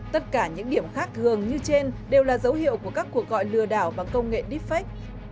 tất cả những điểm khác thường như trên đều là dấu hiệu của các cuộc gọi lừa đảo bằng công nghệ deepfake